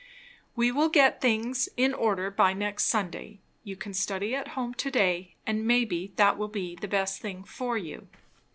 "We will get things in order by next Sunday. You can study at home to day, and maybe that will be the best thing for you."